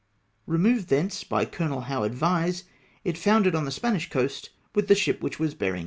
Removed thence by Colonel Howard Vyse, it foundered on the Spanish coast with the ship which was bearing it to England.